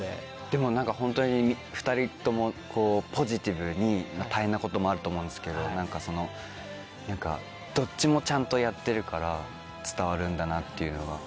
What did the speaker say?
でもホントに２人ともポジティブに大変なこともあると思うんですけどどっちもちゃんとやってるから伝わるんだなっていうのが。